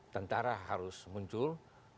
tentara harus muncul